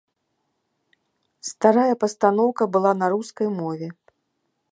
Старая пастаноўка была на рускай мове.